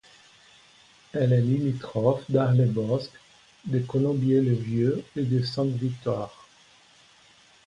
Elle est limitrophe d'Arlebosc, de Colombier-le-Vieux et de Saint-Victor.